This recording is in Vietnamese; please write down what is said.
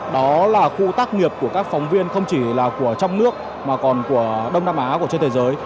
đó là khu tác nghiệp của các phóng viên không chỉ là của trong nước mà còn của đông nam á của trên thế giới